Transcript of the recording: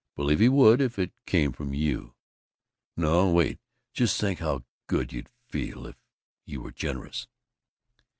Believe he would, if it came from you. No! Wait! Just think how good you'd feel if you were generous."